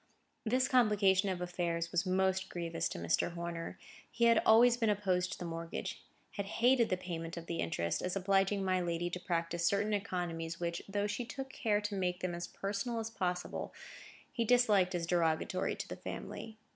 This complication of affairs was most grievous to Mr. Horner. He had always been opposed to the mortgage; had hated the payment of the interest, as obliging my lady to practise certain economies which, though she took care to make them as personal as possible, he disliked as derogatory to the family.